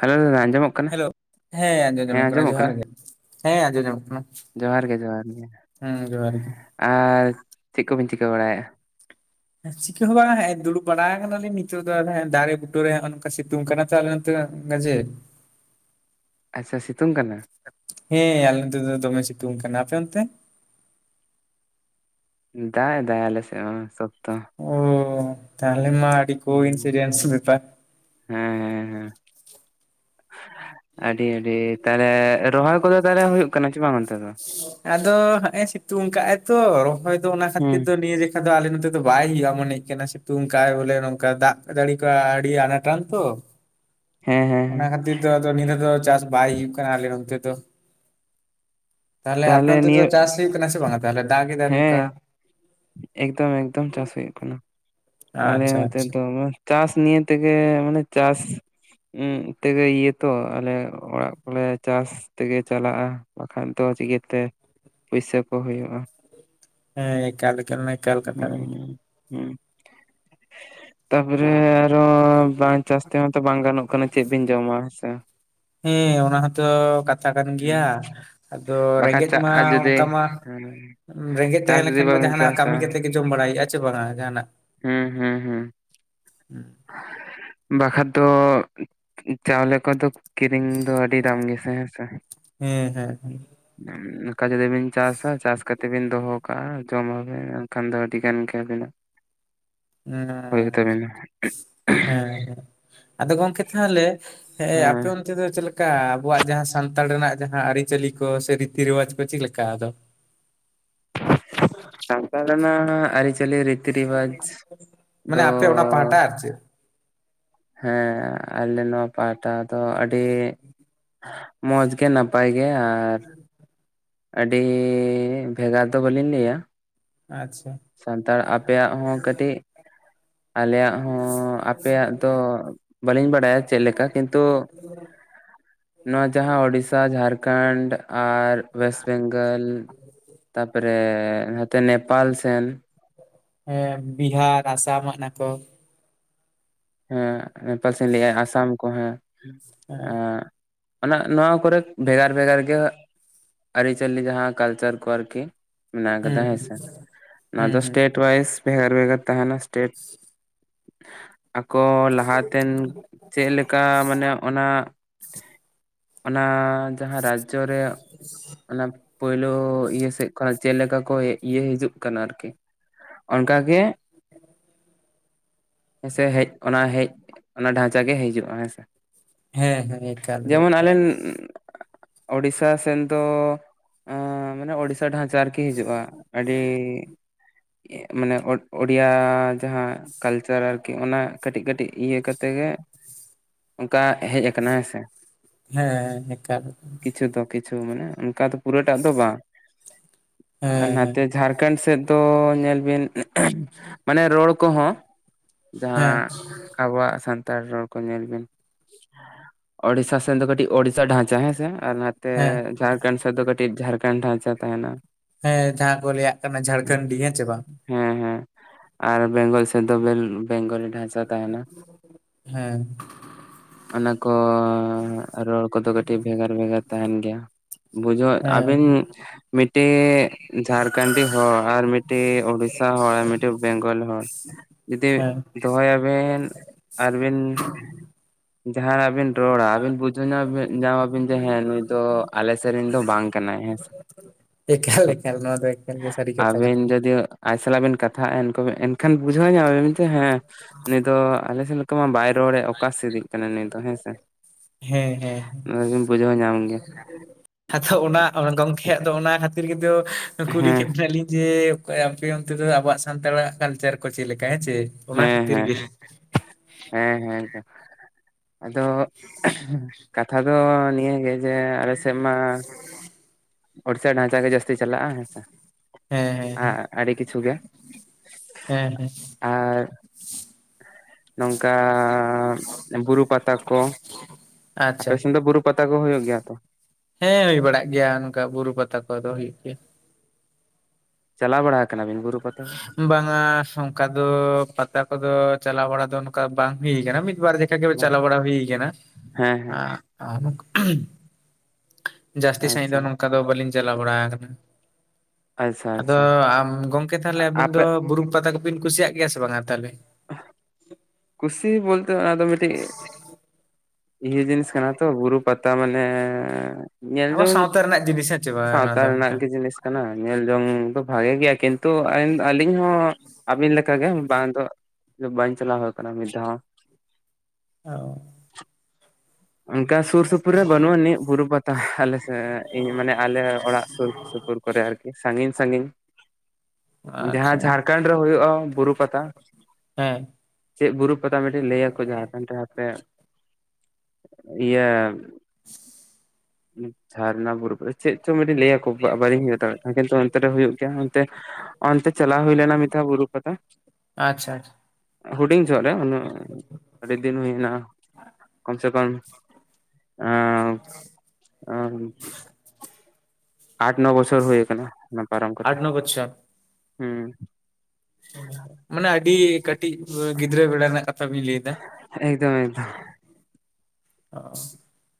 Hello ᱫᱟᱫᱟ ᱟᱸᱡᱚᱢᱚᱜ ᱠᱟᱱᱟ ᱦᱮᱞᱳ᱾ ᱦᱮᱸ ᱟᱸᱡᱚᱢ ᱧᱟᱢᱚᱜ ᱠᱟᱱᱟ᱾ ᱡᱚᱦᱟᱨ ᱜᱮ? ᱦᱮᱸ ᱟᱡᱸᱡᱚᱢ ᱧᱟᱡᱚᱢ ᱠᱟᱱᱟ᱾ ᱡᱚᱦᱟᱨ ᱜᱮ ᱡᱚᱦᱟᱨ ᱜᱮ ᱦᱮᱸ ᱡᱚᱦᱟᱨ ᱜᱤ᱾ ᱟᱨ ᱪᱮᱜ ᱠᱚᱵᱮᱱ ᱪᱤᱠᱟᱹ ᱵᱟᱲᱟᱭᱮᱜ-ᱟ? ᱪᱤᱠᱟᱹ ᱦᱚᱸ ᱵᱟᱝᱟ, ᱦᱮᱸᱜ-ᱮ ᱫᱩᱲᱩᱵ ᱵᱟᱲᱟ ᱟᱠᱟᱱᱟᱞᱤᱧ᱾ ᱱᱤᱛᱚᱜ ᱫᱚ ᱟᱫᱚ ᱫᱟᱨᱮ ᱵᱩᱴᱟᱹᱨᱮ, ᱦᱚᱜᱼᱚ ᱱᱚᱝᱠᱟ ᱥᱤᱛᱩᱝ ᱠᱟᱱᱟ ᱛᱚ [unintelligible] ᱡᱮ ᱟᱪᱪᱷᱟ ᱥᱤᱛᱩᱝ ᱠᱟᱱᱟ? ᱦᱮᱸ ᱟᱞᱮ ᱱᱚᱛᱮ ᱫᱚ ᱫᱚᱢᱮ ᱥᱤᱛᱩᱝ ᱠᱟᱱᱟ ᱾ᱟᱯᱮ ᱚᱱᱛᱮ? ᱫᱟᱜ ᱮᱫᱟᱭ ᱟᱞᱮ ᱥᱮᱜ ᱢᱟ ᱥᱚᱠᱛᱚ᱾ ᱳ ᱛᱟᱦᱞᱮ ᱢᱟ ᱦᱩᱸ, ᱠᱚ-ᱤᱱᱥᱤᱨᱤᱭᱟᱱᱥ ᱨᱮ ᱫᱟᱜ ᱦᱮᱸ ᱦᱮᱸ ᱦᱮᱸ᱾ ᱟᱹᱰᱤ ᱟᱹᱰᱤ ᱛᱟᱦᱞᱮ ᱨᱚᱦᱚᱭ ᱠᱚᱼᱫᱚ ᱛᱟᱦᱞᱮ ᱦᱩᱭᱩᱜ ᱠᱟᱱᱟ ᱪᱮ ᱵᱟᱝ ᱚᱱᱛᱮ ᱫᱚ ᱟᱫᱚ ᱦᱮᱸᱜᱼᱮ ᱥᱤᱛᱩᱝ ᱠᱟᱜᱼᱟᱭ ᱛᱚ, ᱨᱚᱦᱚᱭ ᱫᱚ ᱚᱱᱟ ᱠᱷᱟᱹᱛᱤᱨ ᱦᱩᱸ ᱫᱚ ᱱᱤᱭᱟᱹ ᱮᱠᱷᱟ ᱫᱚ ᱟᱞᱮ ᱱᱚᱛᱮ ᱫᱚ ᱵᱟᱭ ᱦᱩᱭᱩᱜᱼᱟ᱾ ᱢᱚᱱᱮ ᱠᱟᱱᱟ, ᱥᱤᱛᱩᱝ ᱠᱟᱜ ᱟᱭ ᱵᱚᱞᱮ ᱱᱚᱝᱠᱟ, ᱫᱟᱜ ᱡᱟᱹᱲᱤ ᱠᱚ ᱟᱹᱰᱤ ᱟᱱᱟᱴᱱ ᱛᱚ᱾ ᱦᱮᱸ ᱦᱮᱸ ᱦᱮᱸ ᱚᱱᱟ ᱠᱷᱟᱹᱛᱤᱨ ᱫᱚ ᱱᱤᱛᱚᱜ ᱫᱚ, ᱪᱟᱥ ᱵᱟᱭ ᱦᱩᱭᱩᱜ ᱠᱟᱱᱟ᱾ ᱟᱞᱮ ᱱᱚᱱᱛᱮ ᱫᱚ᱾ ᱛᱟᱦᱚᱞᱮ ᱟᱯᱮ ᱚᱱᱛᱮ ᱫᱚ ᱪᱟᱥ ᱦᱩᱭᱩᱜ ᱠᱟᱱᱟ, ᱥᱮ ᱵᱟᱝᱟ ᱛᱟᱦᱞᱮ ᱫᱟᱜᱽ ᱮᱫᱟ ᱦᱮᱸ ᱱᱚᱝᱠᱟ? ᱮᱠᱫᱚᱢ - ᱮᱠᱫᱚᱢ ᱪᱟᱥ ᱦᱩᱭᱩᱜ ᱠᱟᱱᱟ᱾ ᱟᱞᱮ ᱟᱪᱪᱷᱟ ᱱᱚᱛᱮ ᱟᱪᱪᱷᱟ ᱫᱚᱢᱮ ᱪᱟᱥ ᱱᱤᱭᱮ ᱛᱮᱜᱮ ᱢᱟᱱᱮ ᱪᱟᱥ ᱩᱸᱜ ᱛᱮᱜᱮ ᱤᱭᱟᱹ ᱛᱚ ᱟᱞᱮ ᱚᱲᱟᱜ ᱠᱚᱞᱮ ᱪᱟᱥ ᱛᱮᱜᱮ ᱪᱟᱞᱟᱜᱼᱟ᱾ ᱵᱟᱠᱷᱟᱱ ᱫᱚ ᱪᱤᱠᱟᱹᱛᱮ ᱯᱩᱭᱥᱟᱹ ᱠᱚ ᱦᱩᱭᱩᱜᱼᱟ᱾ ᱦᱮᱸ ᱮᱠᱟᱞ - ᱮᱠᱟᱞ ᱱᱮᱠᱟᱞ ᱠᱟᱞᱠᱟᱞ᱾ ᱦᱩᱸ ᱦᱩᱸ ᱛᱟᱯᱚᱨᱮ ᱟᱨᱦᱚᱸ ᱵᱟᱝ ᱪᱟᱥ ᱛᱮᱦᱚᱸ ᱛᱚ ᱵᱟᱝ ᱜᱟᱱᱚᱜ ᱠᱟᱱᱟ ᱾ ᱪᱮᱫ ᱵᱤᱱ ᱡᱚᱢᱟ ᱦᱮᱸᱥᱮ? ᱦᱮᱸ ᱚᱱᱟ ᱦᱚᱸᱛᱚ ᱠᱟᱛᱼᱼ ᱛᱷᱟ ᱠᱟᱱ ᱜᱮᱭᱟ᱾ ᱦᱩᱸ ᱟᱫᱚ ᱵᱟᱠᱷᱟᱡ ᱨᱮᱸᱜᱮᱡ ᱪᱟᱜ ᱢᱟ ᱟᱨ ᱡᱩᱫᱤ ᱚᱱᱠᱟ ᱢᱟ ᱦᱮᱸ ᱨᱮᱸᱜᱮᱡ ᱪᱟᱥ ᱛᱟᱦᱮᱸ ᱡᱩᱫᱤ ᱞᱮᱠᱷᱟᱱ ᱢᱟ ᱵᱟᱵᱮᱱ ᱡᱟᱦᱱᱟᱜ ᱪᱟᱥᱟ ᱠᱟᱢᱤ ᱠᱟᱛᱮᱜ ᱜᱮ ᱡᱚᱢ ᱵᱟᱲᱟᱭ ᱦᱩᱭᱩᱜ ᱟ ᱪᱮ ᱵᱟᱝᱟ ᱡᱟᱦᱟᱱᱟᱜ, ᱦᱮᱸ ᱦᱮᱸ ᱦᱮᱸ᱾ ᱵᱟᱠᱷᱟᱡ ᱫᱚ ᱪᱟᱣᱞᱮ ᱠᱚ ᱫᱚ ᱠᱤᱨᱤᱝ ᱫᱚ ᱟᱹᱰᱤ ᱫᱟᱢ ᱜᱮᱥᱮ ᱦᱮᱸᱥᱮ? ᱦᱮᱸ ᱦᱮᱸ ᱱᱚᱠᱟ ᱡᱩᱫᱤ ᱵᱤᱱ ᱪᱟᱥᱟ ᱪᱟᱥ ᱠᱟᱛᱮ ᱵᱤᱱ ᱫᱚᱦᱚ ᱠᱟᱜᱼᱟ ᱡᱚᱢᱟᱵᱮᱱ ᱮᱱᱠᱷᱟᱱ ᱫᱚ ᱟᱹᱰᱤᱜᱟᱱ ᱜᱮ ᱟᱹᱵᱤᱱᱟᱜ ᱾ ᱦᱮᱸ ᱟᱪᱪᱷᱟ ᱪᱷᱟ ᱦᱮᱸ ᱦᱮᱸ᱾ ᱟᱫᱚ ᱜᱚᱝᱠᱮ ᱛᱟᱦᱚᱞᱮ ᱮ ᱟᱯᱮ ᱦᱮᱸ ᱚᱱᱛᱼᱼ ᱛᱮ ᱫᱚ ᱪᱮᱫ ᱞᱮᱠᱟ ᱟᱵᱚᱣᱟᱜ ᱡᱟᱦᱟᱸ ᱥᱟᱱᱛᱟᱲ ᱨᱮᱱᱟᱜ ᱡᱟᱦᱟᱸ ᱟᱹᱨᱤᱪᱟᱹᱞᱤ ᱠᱚ ᱥᱮ ᱨᱤᱛᱤ ᱨᱮᱣᱟᱡᱽ ᱠᱚ ᱪᱮᱫ ᱞᱮᱠᱟ ᱟᱫᱚ? ᱥᱟᱱᱛᱟᱲ ᱨᱮᱱᱟᱜ ᱟᱹᱨᱤ ᱪᱟᱹ ᱪᱟᱹᱞᱤ ᱨᱤᱛᱤ ᱨᱮᱣᱟᱡᱽ ᱢᱟᱱᱮ ᱫᱚ ᱟᱯᱮ ᱚᱱᱟ ᱯᱟᱦᱴᱟ ᱟᱨ ᱪᱮᱫ ᱦᱮᱸ, ᱟᱞᱮ ᱱᱚᱣᱟ ᱯᱟᱦᱴᱟ ᱫᱚ ᱟᱹᱰᱤ ᱢᱚᱡᱽ ᱜᱮ ᱱᱟᱯᱟᱭ ᱜᱮ, ᱟᱨ ᱟᱹᱰᱤ ᱵᱷᱮᱜᱟᱨ ᱫᱚ ᱵᱟᱹᱞᱤᱧ ᱞᱟᱹᱭᱟ ᱾ ᱟᱪᱪᱷᱟ, ᱥᱟᱱᱛᱟᱲ ᱟᱯᱮᱭᱟᱜ ᱦᱚᱸ ᱠᱟᱹᱴᱤᱡ ᱟᱞᱮᱭᱟᱜ ᱦᱚᱸ ᱟᱯᱮᱭᱟᱜ ᱫᱚ ᱵᱟᱹᱞᱤᱧ ᱵᱟᱰᱟᱭᱟ ᱪᱮᱜ ᱞᱮᱠᱟ ᱾ ᱠᱤᱱᱛᱩ [inaudible] ᱱᱚᱣᱟ ᱡᱟᱦᱟᱸ ᱳᱰᱤᱥᱟ, ᱡᱷᱟᱸᱲᱠᱷᱚᱱᱰ, ᱟᱨ ᱚᱭᱮᱥᱴ ᱵᱮᱝᱜᱚᱞ, ᱛᱟᱯᱚᱨᱮ ᱱᱚᱛᱮ ᱱᱮᱯᱟᱞ ᱥᱮᱱ ᱦᱮᱸ ᱵᱤᱦᱟᱨ ᱟᱥᱟᱢᱚᱜ ᱚᱱᱟ ᱠᱚ ᱦᱮᱸ ᱯᱟᱥᱮᱧ ᱞᱟᱹᱭᱼᱟ ᱟᱥᱟᱢ ᱠᱚ ᱦᱚ ᱦᱮᱸ ᱦᱮᱸ ᱩᱱᱟᱹᱜ ᱱᱚᱣᱟ ᱠᱚᱨᱮ ᱵᱷᱮᱜᱟᱨ ᱵᱷᱮᱜᱟᱨ ᱜᱮ, ᱟᱹᱨᱤᱪᱟᱹᱞᱤ ᱡᱟᱦᱟᱸ ᱠᱟᱞᱪᱟᱨ ᱠᱚ ᱟᱨᱠᱤ ᱢᱮᱱᱟᱜ ᱟᱠᱟᱫᱟ ᱦᱩᱸ ᱦᱮᱸᱥᱮ ᱱᱚᱣᱟ ᱦᱩᱸ ᱫᱚ ᱦᱩᱸ ᱥᱴᱮᱴ ᱴᱩᱣᱟᱭᱤᱥ ᱵᱷᱮᱜᱟᱨ ᱵᱷᱮᱜᱟᱨ ᱛᱟᱦᱮᱱᱟ, ᱥᱴᱮᱴ [inaudible] ᱟᱠᱚ ᱞᱟᱦᱟᱛᱮᱱ ᱪᱮᱜ ᱞᱮᱠᱟ ᱢᱟᱱᱮ ᱚᱱᱟ ᱚᱱᱟ ᱡᱟᱦᱟᱸ ᱨᱟᱡᱽᱡᱚ ᱨᱮ ᱚᱱᱟ ᱯᱳᱭᱞᱳ ᱤᱭᱟᱹ ᱥᱮᱜ ᱠᱷᱚᱱᱟᱜ ᱪᱮᱜ ᱞᱮᱠᱟ ᱠᱚ ᱦᱮᱡ ᱤᱭᱟᱹ ᱦᱤᱡᱩᱜ ᱠᱟᱱᱟ ᱟᱨᱠᱤ ᱚᱱᱠᱟ ᱜᱮ, [inaudible] ᱦᱮᱸᱥᱮ ᱦᱮᱡ ᱚᱱᱟ ᱦᱮᱡ ᱚᱱᱟ ᱰᱷᱟᱪᱟ ᱜᱮ ᱦᱤᱡᱩᱜᱼᱟ ᱦᱮᱸ ᱥᱮ ᱾ ᱦᱮᱸ ᱦᱮᱸ ᱮᱠᱟᱞ ᱜᱮ ᱮᱠᱟᱞ ᱾ ᱳᱰᱤᱥᱥᱟ ᱥᱮᱱ ᱫᱚ ᱟᱸ ᱢᱟᱱᱮ ᱳᱰᱤᱥᱥᱟ ᱰᱷᱟᱪᱟ ᱟᱨ ᱠᱤ ᱦᱤᱡᱩᱜᱼᱟ, ᱟᱹᱰᱤ ᱢᱟᱱᱮ ᱳᱴ ᱳᱰᱤᱭᱟ ᱡᱟᱦᱟᱸ ᱠᱟᱞᱪᱟᱨ ᱟᱨᱠᱤ ᱠᱤ ᱚᱱᱟ ᱠᱟᱹᱴᱤᱡ ᱠᱟᱹᱴᱤᱡ ᱤᱭᱟᱹ ᱠᱟᱛᱮ ᱜᱮ, ᱚᱱᱠᱟ ᱦᱮᱡ ᱟᱠᱟᱱᱟ ᱦᱮᱸᱥᱮ ᱦᱮᱸ ᱮᱠᱟᱞ ᱠᱤᱪᱷᱩ ᱫᱚ ᱾ ᱠᱤᱪᱷᱩ ᱢᱟᱱᱮ ᱚᱱᱠᱟ ᱫᱚ ᱯᱩᱨᱟᱹᱴᱟᱜ ᱫᱚ ᱵᱟᱝ ᱦᱮᱸ ᱦᱮᱸ ᱱᱟᱛᱮ ᱡᱷᱟᱲᱠᱷᱚᱸᱰ ᱠᱟᱱᱰ ᱥᱮᱫ ᱫᱚ ᱧᱮᱞ ᱵᱤᱱ ᱮᱸᱦᱜ ᱢᱟᱱᱮ ᱨᱚᱲ ᱠᱚᱦᱚᱸ ᱦᱮᱸ ᱡᱟᱦᱟᱸ ᱟᱵᱚᱣᱟᱜ ᱥᱟᱱᱛᱟᱲ ᱨᱚᱲ ᱠᱚ ᱧᱮᱞ ᱵᱤᱱ ᱳᱰᱤᱥᱥᱟ ᱥᱮᱱ ᱫᱚ ᱠᱟᱹᱴᱤᱡ ᱳᱰᱤᱥᱥᱟ ᱰᱷᱟᱟᱸᱪᱟ ᱦᱮᱸᱥᱮ, ᱟᱨ ᱱᱟ ᱛᱮ ᱦᱮᱸ ᱡᱷᱟᱲᱠᱷᱚᱱᱰ ᱥᱮᱫ ᱫᱚ ᱠᱟᱹᱴᱤᱡ ᱡᱷᱟᱨᱠᱷᱚᱱᱰ ᱰᱷᱟᱪᱟ ᱛᱟᱦᱮᱱᱟ ᱾ ᱦᱮᱸ ᱡᱟᱦᱟᱸ ᱠᱚ ᱞᱟᱹᱭᱟᱜ ᱠᱟᱱᱟ, ᱡᱷᱟᱲᱠᱷᱚᱱᱰᱤ ᱦᱮᱸ ᱪᱮ ᱵᱟᱝ? ᱦᱮᱸ ᱦᱮᱸ ᱟᱨ ᱵᱮᱝᱜᱚᱞ ᱥᱮᱜ ᱫᱚ ᱵᱮᱞ ᱵᱮᱝᱜᱚᱞᱤ ᱾ ᱴᱷᱟᱪᱟ ᱛᱟᱦᱮᱱᱟ᱾ ᱦᱮᱸ ᱚᱱᱟ ᱠᱚᱸ ᱨᱚᱲ ᱠᱚᱫᱚ ᱠᱟᱹᱴᱤᱡ ᱵᱷᱮᱜᱟᱨ ᱵᱷᱮᱜᱟᱨ ᱛᱟᱦᱮᱱ ᱜᱮᱭᱟ᱾ ᱵᱩᱡᱷᱟᱹᱣ ᱦᱮᱸ ᱟᱵᱤᱱ ᱢᱤᱫᱴᱮᱡ ᱡᱷᱟᱲᱠᱷᱚᱱᱰᱤ ᱦᱚᱲ ᱟᱨ ᱢᱤᱫ ᱴᱮ ᱳᱲᱤᱥᱥᱟ ᱦᱚᱲ ᱟᱨ ᱢᱤᱫᱴᱮᱡ ᱵᱮᱝᱜᱚᱞ ᱦᱚᱲ, ᱡᱩᱫᱤ ᱦᱮᱸ ᱫᱚᱦᱚᱭᱟᱵᱤᱱ ᱟᱨᱵᱤᱱ ᱡᱟᱦᱟᱸᱱᱟᱜ ᱵᱤᱱ ᱨᱚᱲᱟ ᱟᱵᱤᱱ ᱵᱩᱡᱷᱟᱹᱣ ᱧᱟᱢᱟ ᱵᱤᱱ ᱧᱟᱢ ᱟᱵᱤᱱ ᱡᱮ ᱦᱮᱸ ᱱᱩᱭ ᱫᱚ ᱟᱞᱮ ᱥᱮᱫ ᱨᱮᱱ ᱫᱚ ᱵᱟᱝ ᱠᱟᱱᱟᱭ ᱦᱮᱸ ᱥᱮ, ᱮᱠᱟᱞ ᱮᱠᱟᱞ ᱱᱚᱣᱟ ᱫᱚ ᱮᱠᱟᱞ ᱜᱮ ᱥᱟᱹᱨᱤ ᱠᱟᱛᱷᱟ ᱠᱟᱱ ᱟᱵᱮᱱ ᱜᱮᱭᱟ ᱡᱩᱫᱤ ᱟᱡ ᱥᱟᱞᱟᱜ ᱵᱮᱱ ᱠᱟᱛᱷᱟᱜᱼᱟ ᱮᱱ ᱠᱚ ᱮᱱᱠᱷᱟᱱ ᱵᱩᱡᱷᱟᱹᱣ ᱧᱟᱢ ᱟᱵᱮᱱ ᱢᱮᱱᱛᱮ ᱦᱮᱸ ᱱᱤᱛᱚᱜ ᱟᱞᱮ ᱥᱮᱫ ᱞᱮᱠᱟ ᱢᱟ ᱵᱟᱭ ᱨᱚᱲᱮᱫ ᱚᱠᱟ ᱥᱮ ᱫᱤᱜ ᱠᱟᱱᱟᱭ ᱱᱩᱭ ᱫᱚ ᱦᱮᱸᱥᱮ᱾ ᱦᱮᱸ ᱦᱮᱸ ᱱᱚᱣᱟ ᱫᱚᱵᱤᱱ ᱵᱩᱡᱷᱟᱹᱣ ᱧᱟᱢ ᱜᱮᱭᱟ᱾ ᱟᱵᱚᱨᱮᱱ ᱜᱚᱝᱠᱮᱭᱟᱜ ᱫᱚ ᱚᱱᱟ ᱠᱷᱟᱹᱛᱤᱨ ᱜᱮᱫᱚ ᱠᱩᱞᱤ ᱦᱮᱸ ᱠᱮᱫ ᱵᱮᱱᱟᱞᱤᱧ ᱡᱮ ᱚᱠᱚᱭ ᱟᱯᱮ ᱚᱱᱛᱮ ᱫᱚ ᱟᱵᱚᱣᱟᱜ ᱥᱟᱱᱛᱟᱲᱟᱜ ᱠᱟᱞᱪᱟᱨ ᱠᱚ ᱪᱮᱫ ᱞᱮᱠᱟ ᱦᱮᱸ ᱪᱮ? ᱚᱱᱟ ᱦᱮᱸ ᱠᱷᱟᱹᱛᱤᱨ ᱦᱮᱸ ᱜᱮ ᱦᱮᱸ, ᱦᱮᱸ ᱦᱮᱸ ᱚᱱ᱾ ᱟᱫᱚ ᱠᱟᱛᱷᱟ ᱫᱚ ᱱᱤᱭᱟᱹ ᱜᱮ ᱡᱮ ᱟᱞᱮ ᱥᱮᱫ ᱢᱟ ᱳᱲᱤᱥᱤᱟ ᱰᱷᱟᱸᱪᱟ ᱜᱮ ᱡᱟᱹᱥᱛᱤ ᱪᱟᱞᱟᱜᱼᱟ ᱦᱮᱸ ᱥᱮ᱾ ᱦᱮᱸ ᱦᱮᱸ ᱟ ᱟᱹᱰᱤ ᱠᱤᱪᱷᱩ ᱜᱮ, ᱦᱮᱸ ᱦᱮᱸ ᱟᱨ ᱱᱚᱝᱠᱟ ᱵᱩᱨᱩ ᱯᱟᱛᱟ ᱠᱚ, ᱟᱯᱮ ᱟᱪᱪᱷᱟ ᱥᱮᱱ ᱫᱚ ᱵᱩᱨᱩ ᱯᱟᱛᱟ ᱠᱚ ᱦᱩᱭᱩᱜ ᱜᱮᱭᱟ ᱛᱚ? ᱦᱮᱸ ᱦᱩᱭ ᱵᱟᱲᱟᱜ ᱜᱮᱭᱟ ᱱᱚᱝᱠᱟ ᱵᱩᱨᱩ ᱯᱟᱛᱟ ᱠᱚᱫᱚ ᱦᱩᱭᱩᱜ ᱜᱮᱭᱟ᱾ ᱪᱟᱞᱟᱣ ᱵᱟᱲᱟ ᱠᱟᱱᱟ ᱵᱤᱱ ᱵᱩᱨᱩ ᱯᱟᱛᱟ ᱫᱚ? ᱵᱟᱝᱟ ᱥᱚᱝ ᱠᱟ ᱫᱚ ᱯᱟᱛᱟ ᱠᱚᱫᱚ ᱪᱟᱞᱟᱣ ᱵᱟᱲᱟ ᱫᱚ ᱚᱱᱠᱟ ᱵᱟᱝ ᱦᱩᱭ ᱠᱟᱱᱟ ᱜᱮ ᱢᱤᱫ ᱵᱟᱨ ᱫᱤᱱ [unintelligible] ᱵᱟᱝ ᱪᱟᱞᱟᱣ ᱵᱟᱲᱟ ᱦᱩᱭ ᱠᱟᱱᱟ᱾ ᱦᱮᱸ ᱦᱮᱸ ᱡᱟᱹᱥᱛᱤ ᱥᱟᱺᱦᱤᱡ ᱫᱚ ᱟᱪᱪᱷᱟ ᱱᱚᱝᱠᱟ ᱫᱚ ᱵᱟᱹᱞᱤᱧ ᱪᱟᱞᱟᱣ ᱵᱟᱲᱟ ᱟᱠᱟᱱᱟ ᱟᱪᱪᱷᱟ ᱟᱫᱚ ᱟᱪᱪᱷᱟ ᱜᱚᱝᱠᱮ ᱛᱟᱦᱚᱞᱮ ᱟᱵᱤᱱ ᱟᱯᱮ ᱫᱚ ᱵᱩᱨᱩ ᱯᱟᱛᱟ ᱠᱚᱵᱤᱱ ᱠᱩᱥᱤᱭᱟᱜ ᱜᱮᱭᱟ ᱥᱮ ᱵᱟᱝᱟ ᱛᱟᱦᱚᱞᱮ? ᱠᱩᱥᱤ ᱵᱚᱞᱛᱮ ᱟᱫᱚ ᱢᱤᱴᱤᱡ ᱤᱭᱟᱹ ᱡᱤᱱᱤᱥ ᱠᱟᱱᱟ ᱛᱚ ᱵᱩᱨᱩ ᱯᱟᱛᱟ ᱢᱟᱱᱮ ᱧᱮᱞ ᱟᱵᱚ ᱡᱚᱝ ᱥᱟᱶᱛᱟ ᱨᱮᱱᱟᱜ ᱡᱤᱱᱤᱥ ᱦᱮᱸ ᱪᱮ ᱵᱟᱝ ᱚᱱᱟ ᱥᱟᱶᱛᱟ ᱫᱚ ᱨᱮᱱᱟᱜ ᱢᱤᱫᱴᱟᱝ ᱜᱮ ᱡᱤᱱᱤᱥ ᱠᱟᱱᱟ ᱧᱮᱞ ᱡᱚᱝ ᱫᱚ ᱵᱷᱟᱜᱮ ᱜᱮᱭᱟ ᱠᱤᱱᱛᱩ ᱟᱹᱞᱤᱧ ᱦᱚᱸ ᱟᱹᱵᱤᱱ ᱞᱮᱠᱟᱜᱮ ᱵᱟᱝ ᱫᱚ ᱤᱧ ᱫᱚ ᱵᱟᱧ ᱪᱟᱞᱟᱣ ᱟᱠᱟᱱᱟ ᱢᱤᱫ ᱫᱷᱟᱹᱣ ᱦᱚᱸ᱾ ᱚ᱾ ᱚᱱᱠᱟ ᱥᱩᱨ ᱥᱩᱯᱩᱨ ᱨᱮ ᱵᱟᱹᱱᱩᱜ ᱟᱹᱱᱤᱡ ᱵᱩᱨᱩ ᱯᱟᱛᱟ ᱟᱞᱮ ᱥᱮᱫ ᱢᱟᱱᱮ ᱟᱞᱮ ᱚᱲᱟᱜ ᱥᱩᱨ ᱥᱩᱯ ᱥᱩᱯᱩᱨ ᱠᱚᱨᱮ ᱟᱨᱠᱤ ᱥᱟᱜᱤᱧ ᱥᱟᱺᱜᱤᱧ, ᱡᱟᱦᱟᱸ ᱟᱪᱪᱷᱟ ᱡᱷᱟᱲᱠᱷᱚᱱᱰ ᱨᱮ ᱦᱩᱭᱩᱜᱼᱟ ᱵᱩᱨᱩ ᱯᱟᱛᱟ᱾ ᱦᱮᱸ ᱪᱮᱫ ᱵᱩᱨᱩ ᱯᱟᱛᱟ ᱢᱤᱫᱴᱮᱱ ᱞᱟᱹᱭᱟ ᱠᱚ ᱡᱷᱟᱨᱠᱷᱚᱸᱰ ᱨᱮ ᱦᱟᱯᱮ ᱤᱭᱟᱹ [inaudible] ᱡᱷᱟᱨᱱᱟ ᱵᱩᱨᱩ ᱯᱟᱛᱟ ᱪᱮᱫ ᱪᱚᱝ ᱢᱤᱫᱴᱤᱡ ᱞᱟᱹᱭᱟ ᱠᱚ ᱵᱟᱨᱤᱧ ᱩᱭᱦᱟᱹᱨ ᱫᱟᱲᱮᱭᱟᱜ ᱠᱟᱱᱟ ᱠᱤᱱᱛᱩ ᱚᱱᱛᱮ ᱨᱮ ᱦᱩᱭᱩᱜ ᱜᱮᱭᱟ ᱚᱱᱛᱮ ᱚᱱᱛᱮ ᱪᱟᱞᱟᱣ ᱦᱩᱭ ᱞᱮᱱᱟ ᱢᱤᱫᱷᱟ ᱵᱩᱨᱩ ᱯᱟᱛᱟ᱾ ᱟᱪᱪᱷᱟ ᱟᱪᱷᱟ᱾ ᱦᱩᱰᱤᱧ ᱡᱚᱦᱚᱜ ᱨᱮ ᱩᱱᱟᱹᱜ ᱟᱹᱰᱤ ᱫᱤᱱ ᱦᱩᱭᱱᱟ᱾ [unintelligible] ᱟᱴ ᱱᱚ ᱵᱚᱪᱷᱚᱨ ᱦᱩᱭ ᱟᱠᱟᱱᱟ ᱚᱱᱟ ᱯᱟᱨᱚᱢ ᱠᱟᱛᱮ, ᱟᱴ ᱱᱚ ᱵᱚᱪᱷᱚᱨ ᱦᱩᱸ᱾ ᱢᱟᱱᱮ ᱟᱹᱰᱤ ᱠᱟᱹᱴᱤᱡ ᱜᱤᱫᱽᱨᱟᱹ ᱵᱮᱲᱟ ᱨᱮᱱᱟᱜ ᱠᱟᱛ ᱠᱟᱛᱷᱟ ᱵᱤᱱ ᱞᱟᱹᱭᱫᱟ ᱮᱠᱫᱚᱢ ᱮᱠᱫᱚᱢ [inaudible] ᱚᱻ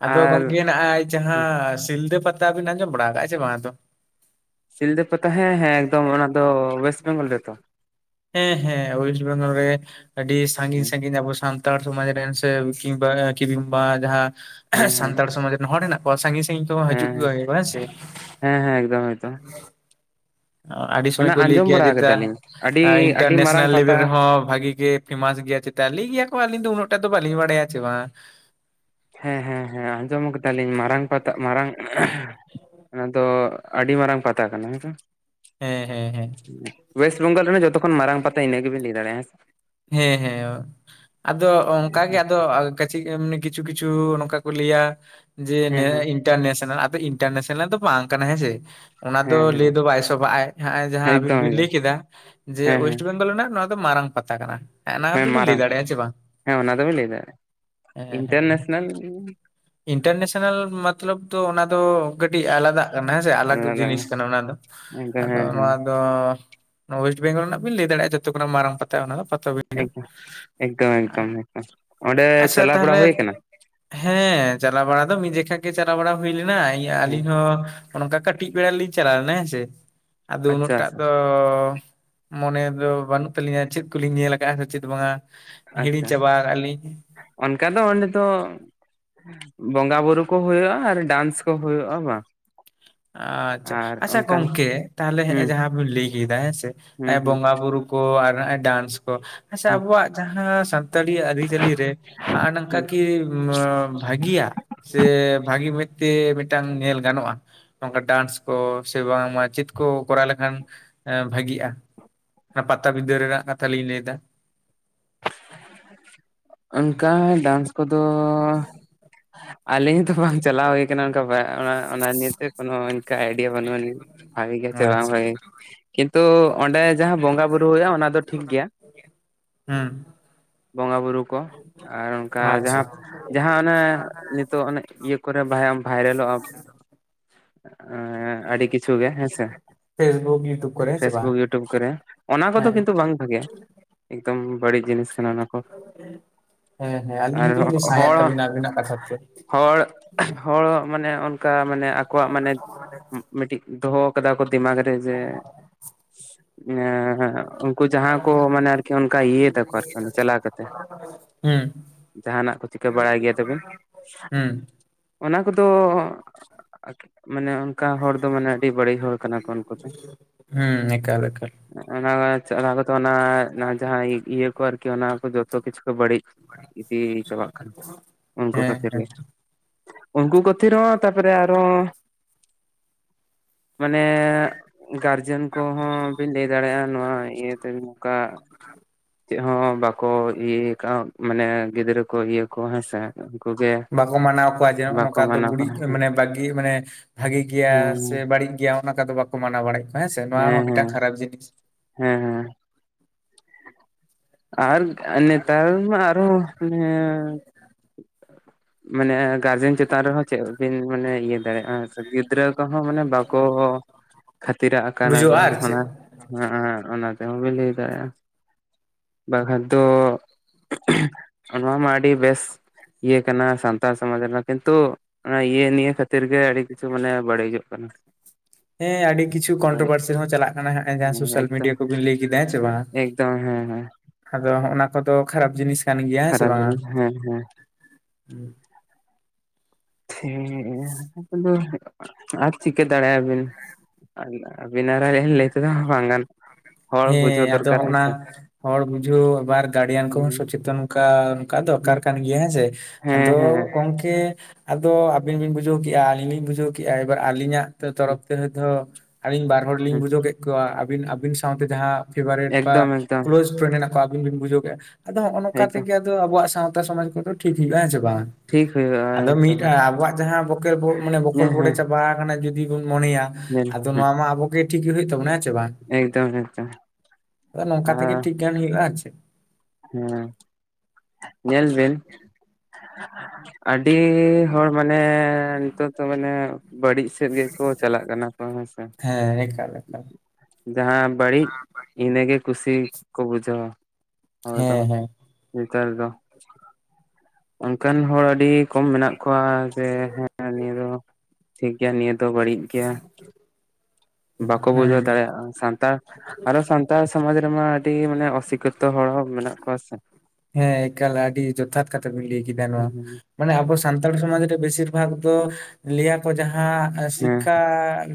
ᱟᱫᱚ ᱟᱨ ᱜᱚᱢᱠᱮ ᱱᱟᱜᱼᱟᱭ ᱡᱟᱦᱟᱸ ᱥᱤᱞᱫᱟᱹ ᱯᱟᱛᱟ ᱵᱤᱱ ᱟᱸᱡᱚᱢ ᱵᱟᱲᱟ ᱠᱟᱜᱼᱟ ᱥᱮ ᱵᱟᱝ ᱟᱫᱚ? ᱥᱤᱞᱫᱟᱹ ᱯᱟᱛᱟ ᱦᱮᱸ ᱦᱮᱸ ᱮᱠᱫᱚᱢ ᱚᱱᱟ ᱫᱚ ᱚᱭᱮᱥᱴ ᱵᱮᱝᱜᱚᱞ ᱨᱮᱛᱚ? ᱦᱮᱸ ᱦᱮᱸ ᱚᱭᱮᱥᱴ ᱵᱮᱝᱜᱚᱞ ᱨᱮ ᱟᱹᱰᱤ ᱥᱟᱺᱜᱤᱧ ᱦᱮᱸ ᱥᱟᱺᱜᱤᱧ ᱟᱵᱚ ᱥᱟᱱ ᱛᱟᱲ ᱥᱚᱢᱟᱡ ᱨᱮᱱ ᱥᱮ ᱠᱤᱵᱟ ᱠᱤᱵᱤᱢᱵᱟ ᱡᱟᱦᱟᱸ ᱦᱮᱸ [unintelligible] ᱦᱮᱸ ᱥᱟᱱᱛᱟᱲ ᱥᱚᱢᱟᱡ ᱨᱮᱱ ᱦᱚᱲ ᱦᱮᱱᱟᱜ ᱠᱚ ᱥᱟᱺᱜᱤᱧ ᱥᱟᱺᱜᱤᱧ ᱦᱚᱸ ᱦᱤᱡᱩᱜ ᱦᱮᱸ [unintelligible] ᱦᱮᱸᱥᱮ ᱾ ᱦᱮᱸ ᱦᱮᱸ ᱮᱠᱫᱚᱢ ᱮᱠᱫᱚᱢ ᱾ ᱟᱹᱰᱤ ᱥᱚᱢᱚᱭ ᱠᱚ ᱞᱟᱹᱭ ᱟᱸᱡᱚᱢ ᱜᱮᱭᱟ ᱵᱟᱲᱟ ᱡᱮᱴᱟ ᱠᱟᱫᱟᱞᱤᱧ ᱟᱹᱰᱤ ᱮᱸ ᱟᱹᱰᱤ ᱢᱟᱨᱟᱝ ᱤᱱᱴᱟᱨᱱᱮᱥᱱᱮᱞ ᱯᱟᱛᱟ ᱞᱮᱵᱮᱞ ᱨᱮᱦᱚᱸ ᱵᱷᱟᱜᱤ ᱜᱮ ᱯᱷᱮᱢᱟᱥ ᱜᱮᱭᱟ ᱪᱮᱛᱟ ᱞᱮᱭ ᱜᱮᱭᱟ ᱠᱚ ᱟᱹᱞᱤᱧ ᱫᱚ ᱩᱱᱟᱹᱜᱴᱟᱜ ᱫᱚ ᱵᱟᱹᱞᱤᱧ ᱵᱟᱲᱟᱭᱟ ᱪᱮ ᱵᱟ ᱾ ᱦᱮᱸ ᱦᱮᱸ ᱦᱮᱸ ᱟᱸᱡᱚᱢ ᱠᱟᱫᱟᱞᱤᱧ ᱢᱟᱨᱟᱝ ᱯᱟᱛᱟ ᱢᱟᱨᱟᱝ [unintelligible] ᱚᱱᱟ ᱫᱚ ᱟᱹᱰᱤ ᱢᱟᱨᱟᱝ ᱯᱟᱛᱟ ᱠᱟᱱᱟ ᱦᱮᱸᱥᱮ? ᱦᱮᱸ ᱦᱮᱸ ᱦᱮᱸ, [inaudible] ᱚᱭᱮᱥᱴ ᱵᱮᱝᱜᱚᱞ ᱨᱮᱱ ᱡᱚᱛᱚ ᱠᱷᱚᱱ ᱢᱟᱨᱟᱝ ᱯᱟᱛᱟ ᱤᱱᱟᱹ ᱜᱮᱵᱤᱱ ᱞᱮᱭ ᱫᱟᱲᱮᱭᱟᱜᱼᱟ ᱦᱮᱸ ᱥᱮ ᱾ ᱦᱮᱸ ᱦᱮᱸ ᱟᱫᱚ ᱦᱮᱸ ᱚᱱᱠᱟ ᱜᱮ ᱟᱫᱚ ᱾ [unintelligible] ᱮᱢᱱᱤ ᱠᱤᱪᱷᱩ ᱠᱤᱪᱷᱩ ᱱᱚᱝᱠᱟ ᱠᱚ ᱞᱟᱹᱭᱟ ᱡᱮ ᱦᱮᱸ ᱱᱮ ᱦᱮᱸ ᱤᱱᱴᱟᱨᱱᱮᱥᱱᱮᱞ ᱟᱫᱚ ᱤᱱᱴᱟᱨᱱᱮᱥᱱᱮᱞ ᱫᱚ ᱵᱟᱝ ᱠᱟᱱᱟ ᱦᱮᱸ ᱡᱮ ᱾ ᱚᱱᱟ ᱫᱚ ᱦᱮᱸ ᱞᱮᱭ ᱦᱮᱸ ᱫᱚ ᱵᱟᱭ ᱥᱚᱵᱟᱟᱭ ᱦᱟᱸᱜᱼᱟᱭ ᱡᱟᱦᱟᱸ ᱟᱹᱵᱤᱱ ᱮᱠᱫᱚᱢ ᱵᱤᱱ ᱮᱠᱫᱚᱢ ᱞᱮᱭ ᱠᱮᱫᱟ ᱡᱮ ᱦᱮᱸ ᱦᱮᱸ ᱚᱭᱮᱥᱴ ᱵᱮᱝᱜᱚᱞ ᱨᱮᱱᱟᱜ ᱱᱚᱣᱟ ᱫᱚ ᱢᱟᱨᱟᱝ ᱯᱟᱛᱟ ᱠᱟᱱᱟ ᱾ ᱦᱮᱸ ᱱᱟ ᱫᱚᱵᱤᱱ ᱞᱮᱭ ᱢᱟᱨᱟᱝ ᱯᱟᱛᱟ ᱫᱟᱲᱮᱭᱟᱜᱼᱟ ᱥᱮ ᱵᱟᱝ ᱦᱮᱸ ᱚᱱᱟ ᱫᱚᱵᱤᱱ ᱞᱟᱹᱭ ᱫᱟ ᱦᱮᱸ ᱦᱮᱸ ᱾ ᱤᱱᱴᱟᱨᱱᱮᱥᱱᱮᱞ ᱤᱱᱴᱟᱨᱱᱮᱥᱱᱮᱞ ᱢᱚᱛᱞᱚᱵ ᱫᱚ ᱚᱱᱟ ᱫᱚ ᱠᱟᱹᱴᱤᱡ ᱟᱞᱟᱫᱟᱜ ᱠᱟᱱᱟ ᱦᱮᱸᱥᱮ ᱟᱞᱟᱫᱟ ᱡᱤᱱᱤᱥ ᱠᱟᱱᱟ ᱚᱱᱟ ᱫᱚ ᱮᱠᱫᱚᱢ ᱟᱫᱚ ᱦᱮᱸ ᱱᱚᱣᱟ ᱦᱮᱸ ᱟᱫᱚ ᱱᱟᱣᱟ ᱚᱭᱮᱥᱴ ᱵᱮᱝᱜᱚᱞ ᱨᱮᱱᱟᱜ ᱵᱤᱱ ᱞᱟᱹᱭ ᱫᱟᱲᱮᱭᱟᱜᱼᱟ ᱡᱚᱛᱚ ᱠᱷᱚᱱᱟᱜ ᱢᱟᱨᱟᱝ ᱯᱟᱛᱟ ᱚᱱᱟ ᱯᱟᱛ [inaudible] ᱮᱠᱫᱚᱢ ᱮᱠᱫᱚᱢ ᱮᱠᱫᱚᱢ ᱮᱠᱫᱚᱢ ᱚᱸᱰᱮ ᱟᱪᱪᱷᱟ ᱪᱟᱞᱟᱣ ᱵᱟᱲᱟ ᱛᱟᱦᱟᱞᱮ ᱦᱩᱭ ᱟᱠᱟᱱᱟ ᱦᱮᱸ ᱪᱟᱞᱟᱣ ᱵᱟᱲᱟ ᱫᱚ ᱢᱤᱫ ᱡᱮᱠᱷᱟ ᱜᱮ ᱪᱟᱞᱟᱣ ᱵᱟᱲᱟ ᱦᱩᱭ ᱞᱮᱱᱟ ᱟᱹᱞᱤᱧ ᱦᱮᱸ ᱦᱚᱸ ᱾ ᱚ ᱱᱚᱝᱠᱟ ᱠᱟᱹᱴᱤᱡ ᱵᱮᱲᱟ ᱨᱮ ᱞᱤᱧ ᱪᱟᱞᱟᱣ ᱞᱮᱱᱟ ᱦᱮᱸᱥᱮ ᱟᱫᱚ ᱟᱪᱪᱷᱟ ᱩᱱᱟᱹᱜᱴᱟᱜ ᱟᱪᱪᱷᱟ ᱫᱚ ᱾ ᱢᱚᱱᱮ ᱫᱚ ᱵᱟᱹᱱᱩᱜ ᱛᱟᱹᱟᱞᱤᱧᱟ ᱪᱮᱫ ᱠᱚᱞᱤᱧ ᱧᱮᱞ ᱟᱠᱟᱜᱼᱟ ᱥᱮ ᱪᱮᱫ ᱵᱟᱝᱟ ᱦᱤᱲᱤᱧ ᱟᱪᱪᱷᱟ ᱪᱟᱵᱟ ᱟᱠᱟᱜ ᱞᱤᱧ ᱾ ᱚᱱᱠᱟ ᱫᱚ ᱚᱸᱰᱮ ᱛᱚ ᱵᱚᱸᱜᱟ ᱵᱩᱨᱩ ᱠᱚ ᱦᱩᱭᱩᱜᱼᱟ ᱟᱨ ᱰᱟᱱᱥ ᱠᱚ ᱦᱩᱭᱩᱜᱼᱟ ᱵᱟᱝ ᱾ ᱟᱪᱪᱷᱟ ᱟᱪᱪᱷᱟ ᱠᱚᱝᱠᱮ ᱛᱟᱦᱮᱞᱮ ᱦᱮᱸᱜᱼᱮ ᱦᱩᱸ ᱡᱟᱦᱟᱸ ᱵᱤᱱ ᱞᱮᱭ ᱠᱮᱫᱟ ᱦᱮᱸᱥᱮ ᱦᱩᱸ ᱦᱩᱸ ᱵᱚᱸᱜᱟ ᱵᱩᱨᱩ ᱾ ᱠᱚ ᱟᱨ ᱰᱟᱱᱥ ᱠᱚ ᱦᱮᱸᱥᱮ ᱦᱩᱸ ᱟᱵᱚᱣᱟᱜ ᱡᱟᱦᱟᱸ ᱥᱟᱱ ᱛᱟᱲᱤ ᱟᱹᱨᱤᱪᱟᱹᱞᱤ ᱨᱮ ᱟ ᱱᱚᱝᱠᱟ ᱠᱤ [inaudible] ᱵᱷᱟᱹᱜᱤᱭᱟ ᱥᱮ ᱵᱷᱟᱹᱜᱤ ᱢᱤᱫᱛᱮ ᱢᱤᱫᱴᱟᱝ ᱧᱮᱞ ᱜᱟᱱᱚᱜᱼᱟ ᱾ ᱱᱚᱝᱠᱟ ᱰᱟᱱᱥ ᱠᱚ ᱥᱮ ᱵᱟᱝ ᱢᱟᱪᱮᱫ ᱠᱚ ᱠᱚᱨᱟᱣ ᱞᱮᱠᱷᱟᱱ ᱵᱷᱟᱜᱤᱜᱼᱟ ᱾ ᱚᱱᱟ ᱯᱟᱛᱟ ᱵᱤᱫᱟᱹ ᱨᱮᱱᱟᱜ ᱠᱟᱛᱷᱟ ᱞᱤᱧ ᱞᱟᱹᱭ ᱫᱟ ᱾ ᱚᱱᱠᱟ ᱰᱮᱱᱥ ᱠᱚᱫᱚ ᱾ ᱟᱹᱞᱤᱧ ᱦᱚᱸᱛᱚ ᱵᱟᱝ ᱪᱟᱞᱟᱣ ᱦᱳᱭ ᱠᱟᱱᱟ ᱚᱱᱠᱟ ᱵᱟᱜ ᱚᱱᱟ ᱱᱤᱭᱮᱛᱮ ᱠᱳᱱᱳ ᱤᱱᱠᱟ ᱟᱭᱰᱤᱭᱟ ᱵᱟᱹᱱᱩᱜ ᱟᱹᱱᱤᱡ ᱾ ᱵᱷᱟᱜᱮ ᱜᱮᱭᱟ ᱥᱮ ᱵᱟᱝ ᱟᱪᱪᱷᱟ ᱵᱷᱟᱜᱮ ᱠᱤᱱᱛᱩ ᱚᱸᱰᱮ ᱡᱟᱦᱟᱸ ᱵᱚᱸᱜᱟ ᱵᱩᱨᱩ ᱦᱩᱭᱩᱜᱼᱟ ᱚᱱᱟ ᱫᱚ ᱴᱷᱤᱠ ᱜᱮᱭᱟ ᱾ [inaudible] ᱦᱩᱸ ᱾ ᱵᱚᱸᱜᱟ ᱵᱩᱨᱩ ᱠᱚ ᱟᱨ ᱚᱝᱠᱟ ᱟᱪᱪᱷᱟ ᱡᱟᱦᱟᱸ ᱡᱟᱦᱟᱸ ᱚᱱᱮ ᱱᱤᱛᱚᱜ ᱚᱱᱮ ᱤᱭᱟᱹ ᱾ ᱠᱚᱨᱮ ᱵᱷᱟᱭᱚᱢ ᱵᱷᱟᱭᱨᱟᱞᱚᱜᱼᱟᱢ ᱟᱹᱰᱤ ᱠᱤᱪᱷᱩ ᱜᱮ ᱦᱮᱸᱥᱮ ᱯᱷᱮᱥᱵᱩᱠ ᱤᱭᱩᱴᱩᱵᱽ ᱠᱚᱨᱮ ᱾ ᱦᱮᱸ ᱥᱮ ᱵᱟᱝ ᱯᱷᱮᱥᱵᱩᱠ ᱤᱭᱩᱴᱩᱵᱽ ᱠᱚᱨᱮ ᱚᱱᱟ ᱠᱚᱫᱚ ᱦᱮᱸ ᱠᱤᱱᱛᱩ ᱵᱟᱝ ᱾ ᱵᱷᱟᱜᱮᱭᱟ ᱮᱠᱫᱚᱢ ᱵᱟᱹᱲᱤᱡ ᱡᱤᱱᱤᱥ ᱠᱟᱱᱟ ᱾ [inaudible] ᱦᱮᱸ ᱦᱮᱸ ᱟᱹᱞᱤᱧ ᱦᱚᱸᱞᱤᱧ ᱥᱟᱸᱭᱮᱜ ᱦᱚᱲ ᱛᱟᱵᱤᱱᱟ ᱟᱹᱵᱤᱱᱟᱜ ᱠᱟᱛᱷᱟ ᱛᱮ ᱾ ᱦᱚᱲ, ᱦᱚᱲ ᱢᱟᱱᱮ ᱚᱱᱠᱟ ᱢᱟᱱᱮ ᱟᱠᱚᱣᱟᱜ ᱢᱟᱱᱮ ᱢᱤᱴᱤᱡ ᱫᱚᱦᱚ ᱠᱟᱫᱟ ᱠᱚ ᱫᱤᱢᱟᱠ ᱨᱮ ᱾ ᱴᱮ ᱡᱮᱜ ᱮᱸᱭᱟᱸᱯ ᱩᱝᱠᱩ ᱡᱟᱦᱟᱸ ᱠᱚ ᱢᱟᱱᱮ ᱟᱨᱠᱤ ᱚᱝᱠᱟ ᱤᱭᱟᱹ ᱛᱟᱠᱚ ᱟᱨ ᱦᱩᱸ᱾ ᱡᱟᱦᱟᱱᱟᱜ ᱠᱚ ᱪᱤᱠᱟᱹ ᱵᱟᱲᱟᱭ ᱜᱮᱭᱟ ᱛᱮᱵᱤᱸ? ᱦᱩᱸ ᱚᱱᱟ ᱠᱚᱫᱚᱸ ᱟᱠ ᱢᱟᱱᱮ ᱠᱟ ᱦᱚᱲ ᱫᱚ ᱢᱟᱱᱮ ᱟᱹᱰᱤ ᱵᱟᱹᱲᱤᱜ ᱦᱚᱲ ᱠᱟᱱᱟ ᱠᱚ ᱩᱱᱠᱩ ᱫᱚ᱾ ᱦᱩᱸ ᱮᱠᱟᱞ ᱮᱠᱟᱞ ᱚᱱᱟ ᱪᱟᱨᱟ ᱠᱚᱛᱚ ᱚᱱᱟ-ᱱᱟ ᱡᱟᱦᱟᱸ ᱤᱭᱟᱹ ᱠᱚ ᱟᱨᱠᱤ ᱚᱱᱟ ᱠᱚ ᱡᱚ- -ᱛᱚ ᱠᱤᱪᱷᱩ ᱠᱚ ᱵᱟᱲᱤᱜ ᱤᱫᱤ ᱪᱟᱵᱟᱜ ᱠᱟᱱᱟ ᱩᱝᱠᱩ ᱦᱮᱸ ᱠᱷᱟᱹᱛᱤᱨ ᱦᱮᱸ ᱜᱮ᱾ ᱚᱝᱠᱩ ᱠᱟᱹᱛᱷᱤᱨ ᱚᱸ ᱛᱟᱯᱟᱨᱮ ᱟᱨᱚᱸ ᱢᱟᱱᱮᱜ ᱜᱟᱨᱡᱮᱱ ᱠᱚᱶᱦᱚᱸ ᱵᱤᱱ ᱞᱟᱹᱭ ᱫᱟᱬᱮᱜᱼᱟᱸ ᱱᱚᱣᱟ ᱤᱭᱟᱹᱛᱮ ᱱᱚᱝᱠᱟ ᱪᱮᱜ ᱦᱚᱸ ᱵᱟᱠᱚ ᱤᱭᱟᱹᱭ ᱠᱟᱜᱼᱟᱸ ᱢᱟᱱᱮ ᱜᱤᱫᱽᱨᱟᱹ ᱠᱚ, ᱤᱭᱟᱹ ᱠᱚ ᱦᱮᱸᱥᱮ᱾ ᱩᱝᱠᱩᱩ ᱜᱮ ᱵᱟᱠᱚ ᱢᱟᱱᱟᱣ ᱠᱚᱣᱟ ᱡᱮ ᱱᱚᱜᱼᱚ ᱵᱟᱠᱚ ᱱᱚᱠᱟ ᱫᱚ ᱢᱟᱱᱟᱣ ᱠᱚ ᱵᱩᱲᱤᱜ ᱦᱮᱸ ᱢᱟᱱᱮ ᱵᱟᱜᱤ ᱢᱟᱱᱮ ᱵᱷᱟᱜᱤ ᱜᱮᱭᱟ ᱦᱮᱸ ᱥᱮ ᱵᱟᱲᱤᱜ ᱜᱮᱭᱟ ᱚᱱᱠᱟ ᱫᱚ ᱵᱟᱠᱚ ᱢᱟᱱᱟᱣ ᱵᱟᱲᱟᱭᱮᱜ ᱠᱚᱣᱟ ᱦᱮᱸᱥᱮ, ᱱᱚᱣᱟ ᱦᱚᱸ ᱢᱤᱴᱟᱝ ᱠᱷᱟᱨᱟᱯ ᱡᱤᱱᱤᱥ᱾ ᱦᱮᱸ-ᱦᱮᱸ᱾ ᱟᱨᱜ ᱱᱮᱛᱟᱨ ᱢᱟ ᱟᱨᱦᱚᱸ ᱮᱱᱮ ᱢᱟᱱᱮ ᱠᱟᱨᱡᱮᱱ ᱪᱮᱛᱟᱱ ᱨᱮᱦᱚᱸ ᱪᱮᱜ ᱵᱤᱱ ᱢᱟᱱᱮ ᱤᱭᱟᱹ ᱫᱟᱬᱮᱜᱼᱟ ᱜᱤᱫᱽᱨᱟᱹᱠ ᱠᱚᱦᱚᱸ ᱢᱟᱱᱮ ᱵᱟᱠᱚ ᱠᱷᱟᱹᱛᱤᱨᱟᱜ ᱠᱟᱱᱟ ᱠᱚ ᱵᱩᱡᱷᱟᱹᱜᱼᱟ ᱟᱨ ᱪᱮᱫ ᱦᱚᱱᱟ᱾ ᱦᱮᱸ, ᱚᱱᱟ ᱪᱟᱸᱦᱟᱸ ᱵᱤᱱ ᱞᱟᱹᱭ ᱫᱟ ᱵᱟᱠᱷᱟᱸ ᱫᱚᱜ ᱱᱚᱣᱟ ᱢᱟ ᱟᱹᱰᱤ ᱵᱮᱥ᱾ ᱤᱭᱟᱹ ᱠᱟᱱᱟ ᱥᱟᱱᱛᱟᱨ ᱥᱚᱢᱟᱡᱽ ᱨᱮᱱᱟᱜ ᱠᱤᱱᱛᱩ ᱚᱱᱟ ᱤᱭᱟᱹ-ᱱᱤᱭᱟᱹ ᱠᱷᱟᱹᱛᱤᱨ ᱜᱮ ᱟᱹᱰᱤ ᱠᱤᱪᱷᱩ ᱢᱟᱱᱮ ᱵᱟᱹᱲᱤᱡᱚᱜ ᱠᱟᱱᱟ᱾ ᱦᱮᱸ, ᱟᱹᱰᱤ ᱠᱤᱪᱷᱩ ᱵᱟᱹᱲᱤᱡ ᱠᱚᱱᱴᱳᱵᱟᱨᱥᱤ ᱨᱮᱦᱚᱸ ᱪᱟᱞᱟᱜ ᱠᱟᱱᱟᱜ ᱦᱟᱸᱜᱼᱮ ᱡᱷᱟᱸ ᱦᱮᱸ ᱥᱳᱥᱟᱞ ᱢᱤᱰᱤᱭᱟ ᱠᱚᱵᱤᱸ ᱞᱟᱹᱭ ᱠᱮᱫᱟ ᱦᱮᱸ ᱪᱮ ᱵᱟᱝ᱾ ᱳ ᱦᱮᱸ-ᱦᱮᱸ᱾ ᱟᱫᱚ ᱦᱚᱜᱼᱱᱟ ᱠᱚᱫᱚ ᱠᱷᱟᱨᱟᱯ ᱡᱤᱱᱤᱥ ᱠᱟᱱ ᱜᱮᱭᱟ ᱦᱮᱸ ᱥᱮ ᱠᱷᱟᱨᱟᱯ ᱵᱟᱝᱟ, ᱡᱤᱱᱤᱥ ᱦᱮᱸ ᱦᱮᱸ ᱩᱸ᱾ ᱛᱷᱤᱜ ᱜᱮᱭᱟ ᱦᱮ ᱟᱫᱚ ᱦᱩᱭᱩᱜᱼᱟ ᱟᱨ ᱪᱤᱠᱟᱹ ᱫᱟᱲᱮ ᱟᱵᱤᱱ? ᱟᱰᱤᱼᱟ ᱵᱱᱟᱨᱟᱭᱮᱞ ᱞᱟᱹᱭ ᱛᱮ ᱫᱚ ᱦᱟᱸ ᱵᱟᱝᱟ ᱜᱟᱱ ᱦᱮᱸ, ᱟᱫᱚ ᱦᱚᱸᱜᱼᱱᱟ ᱦᱚᱲ ᱵᱩᱡᱷᱟᱹᱣ ᱣᱟᱵᱟᱨ ᱜᱟᱲᱤᱭᱟᱱ ᱠᱚᱦᱚᱸ ᱦᱮᱸ ᱥᱚᱪᱮᱛᱚᱱᱠᱟ ᱚᱱᱠᱟ ᱫᱚᱨᱠᱟᱨ ᱠᱟᱱ ᱜᱮᱭᱟ ᱦᱮᱸᱥᱮ᱾ ᱟᱫᱚ ᱦᱮᱸ ᱦᱮᱸ ᱜᱚᱝᱠᱮ, ᱟᱫᱚ ᱟᱹᱵᱤᱱ ᱵᱤᱱ ᱵᱩᱡᱷᱟᱹᱣ ᱠᱮᱜᱼᱟ, ᱟᱹᱞᱤᱧ ᱞᱤᱧ ᱵᱩᱡᱷᱟᱹᱣ ᱠᱮᱜᱼᱟ, ᱮᱵᱟᱨ ᱟᱹᱞᱤᱧᱟᱜ ᱛᱮ ᱛᱚᱨᱚᱯ ᱛᱮ ᱦᱚᱭ ᱫᱷᱚ ᱟᱹᱞᱤᱧ ᱵᱟᱨ ᱦᱚᱲ ᱞᱤᱧ ᱵᱩᱡᱷᱟᱹᱣ ᱠᱮᱜ ᱠᱚᱣᱟ ᱟᱹᱵᱤᱱ-ᱟᱹᱵᱤᱱ ᱥᱟᱶᱛᱮ ᱡᱟᱦᱟᱸ ᱯᱷᱮᱵᱟᱨᱮᱴ ᱯᱟ ᱮᱠᱫᱚᱢ ᱮᱠᱫᱚᱢ ᱠᱞᱳᱡᱽ ᱯᱷᱨᱮᱱᱰ ᱦᱮᱱᱟᱜ ᱠᱚᱣᱟ ᱟᱵᱤᱱ ᱵᱤᱱ ᱵᱩᱡᱷᱟᱹᱣ ᱠᱮᱜᱼᱟ, ᱟᱫᱚ ᱦᱚᱸᱜᱼᱚ ᱱᱚᱠᱟ ᱮᱠᱫᱚᱢ ᱛᱮᱜᱮ ᱫᱚ ᱟᱵᱚᱣᱟᱜ ᱥᱟᱶᱛᱟ ᱥᱚᱢᱟᱡ ᱠᱚᱫᱚ ᱴᱷᱤᱠ ᱦᱩᱭᱩᱜᱼᱟ, ᱦᱮᱸ ᱥᱮ ᱵᱟᱝ? ᱴᱷᱤᱠ ᱦᱩᱭᱩᱜᱼᱟ ᱟᱫᱚ ᱢᱤᱫ ᱮᱠᱫᱚᱢ ᱟ ᱟᱵᱚᱣᱟᱜ ᱡᱟᱦᱟᱸ ᱵᱚᱠᱮ-ᱵᱚᱜ ᱢᱟᱱᱮ ᱦᱮᱸ ᱵᱚᱠᱚᱞ-ᱵᱳᱰᱮ ᱦᱮᱸ ᱪᱟᱵᱟᱣ ᱠᱟᱱᱟ ᱡᱩᱫᱤ ᱵᱚᱱ ᱢᱚᱱᱮᱭᱟ᱾ ᱧᱮᱞ ᱟᱫᱚ ᱱᱚᱣᱟ ᱢᱟ ᱟᱵᱚ ᱜᱮ ᱴᱷᱤᱠ ᱜᱮ ᱦᱩᱭᱩᱜ ᱛᱟᱵᱚᱱᱟ, ᱦᱮᱸ ᱪᱮ ᱵᱟᱝ? ᱮᱠᱫᱚᱢ-ᱮᱠᱫᱚᱢ᱾ ᱟ ᱱᱚᱝᱠᱟ ᱛᱮ ᱴᱷᱤᱠ ᱜᱟᱱ ᱦᱩᱭᱩᱜᱼᱟ ᱟ ᱪᱮᱫ? ᱦᱩᱸ, ᱧᱮᱞ ᱵᱤᱱ ᱟᱰᱤ ᱦᱚᱲ ᱢᱟᱱᱮ ᱱᱤᱛᱚᱜ ᱫᱚ ᱢᱟᱱᱮ ᱵᱟᱲᱤᱥ ᱴᱮᱹᱵᱮᱹᱞ ᱠᱚ ᱪᱟᱞᱟᱜ ᱠᱟᱱᱟ ᱠᱚ ᱦᱮᱸ ᱥᱮ᱾ ᱦᱮᱸ, ᱮᱠᱟᱞ᱾ ᱮᱠᱟᱞ ᱡᱟᱦᱟᱸ ᱵᱟᱲᱤᱜ ᱤᱱᱟᱹ ᱜᱮ ᱠᱩᱥᱤ ᱠᱚ ᱵᱩᱡᱷᱟᱹᱣᱟ᱾ ᱦᱳ ᱫᱚ᱾ ᱦᱮᱸ ᱦᱮᱸ ᱱᱮᱛᱟᱨ ᱫᱚ ᱚᱱᱠᱟᱱ ᱦᱚᱲ ᱟᱹᱰᱤ ᱠᱚᱢ ᱢᱮᱱᱟᱜ ᱠᱚᱶᱟ᱾ ᱛᱮ ᱦᱮᱸ, ᱱᱤᱭᱟᱹ ᱫᱚ ᱴᱷᱤᱠ ᱜᱮᱭᱟ ᱱᱤᱭᱟᱹ ᱫᱚ ᱵᱟᱲᱤᱜ ᱜᱮᱭᱟ᱾ ᱵᱟᱠᱚ ᱦᱩᱸ ᱵᱩᱡᱷᱟᱹᱣ ᱫᱟᱲᱮᱭᱟᱜᱼᱟ ᱥᱟᱱᱛᱟᱲ ᱟᱨᱚ ᱥᱟᱱ ᱛᱟᱲ ᱥᱚᱢᱟᱡᱽ ᱨᱮᱢᱟ ᱟᱹᱰᱤ ᱢᱟᱱᱮ ᱚᱥᱤᱠᱷᱤᱛᱚ ᱦᱚᱲ ᱦᱚᱸ ᱢᱮᱱᱟᱜ ᱠᱚᱣᱟ ᱥᱮ᱾ ᱦᱮᱸ ᱮᱠᱟᱞ ᱟᱹᱰᱤ ᱡᱚᱛᱷᱟᱛ ᱠᱟᱛᱷᱟ ᱵᱤᱱ ᱞᱟᱹᱭ ᱠᱮᱫᱟ ᱱᱚᱣᱟ᱾ ᱦᱮᱸ ᱢᱟᱱᱮ ᱟᱵᱚ ᱥᱟᱱᱛᱟᱲ ᱥᱚᱢᱟᱡᱽ ᱨᱮ ᱵᱮᱥᱤᱨ ᱵᱷᱟᱜᱽ ᱫᱚ ᱞᱟᱹᱭᱟ ᱠᱚ ᱡᱟᱦᱟᱸ ᱮᱸ ᱥᱤᱠᱠᱷᱟ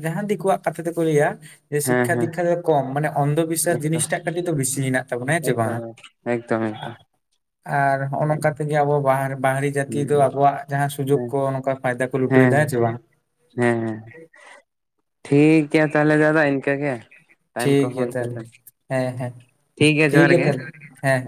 ᱡᱟᱦᱟᱸ ᱫᱤᱠᱩᱣᱟᱜ ᱠᱟᱛᱷᱟ ᱛᱮᱠᱚ ᱞᱟᱹᱭᱟ, ᱡᱮ ᱦᱮᱸ ᱥᱤᱠᱠᱷᱟ ᱦᱮᱸ ᱫᱤᱠᱠᱷᱟ ᱫᱚ ᱠᱚᱢ, ᱢᱟᱱᱮ ᱚᱱᱫᱷᱚ ᱵᱤᱥᱟᱥ ᱮᱠᱫᱚᱢ ᱡᱤᱱᱤᱥ ᱴᱟᱜ ᱠᱟᱹᱴᱤᱡ ᱫᱚ ᱵᱤᱥᱤ ᱦᱮᱱᱟᱜ ᱛᱟᱵᱚᱱᱟ ᱦᱮᱸ ᱪᱮ ᱵᱟᱝ? ᱮᱠᱫᱚᱢ ᱮᱠᱫᱚᱢ ᱮᱠᱫᱚᱢ ᱟᱨ ᱦᱚᱸᱜᱼᱚ ᱱᱚᱝᱠᱟ ᱛᱮᱜᱮ ᱟᱵᱚ ᱵᱟᱦᱟᱨ ᱵᱟᱦᱨᱮ ᱡᱟᱹᱛᱤ ᱫᱚ ᱟᱵᱚᱣᱟᱜ ᱡᱟᱦᱟᱸ ᱥᱩᱡᱳᱜᱽ ᱦᱮᱸ ᱠᱚ ᱱᱚᱝᱠᱟ ᱯᱷᱟᱭᱫᱟ ᱠᱚ ᱞᱩᱴᱟᱹᱣ ᱮᱫᱟ ᱦᱮᱸ ᱪᱮ ᱵᱟᱝ? ᱦᱮᱸ ᱦᱮᱸ, ᱴᱷᱤᱠ ᱜᱮᱭᱟ ᱛᱟᱦᱚᱞᱮ ᱫᱟᱫᱟ ᱤᱱᱠᱟᱹ ᱜᱮ᱾ ᱴᱟᱭᱤᱢ ᱴᱷᱤᱠ ᱠᱚ ᱜᱮᱭᱟ ᱦᱩᱭ ᱥᱟᱹᱛ ᱛᱟᱦᱚᱞᱮ ᱮᱱᱟ ᱦᱮᱸ ᱦᱮᱸ, ᱴᱷᱤᱠ ᱜᱮᱭᱟ ᱛᱟᱦᱚᱞᱮ, ᱦᱮᱸ᱾